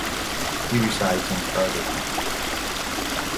He resides in Harderwijk.